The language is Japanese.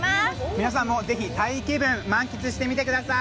皆さんもぜひタイ気分、満喫してみてください。